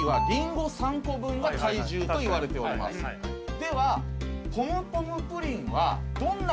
では。